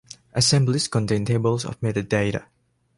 Assemblies contain tables of metadata.